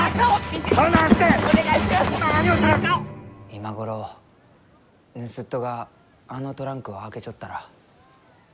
今頃ぬすっとがあのトランクを開けちょったら。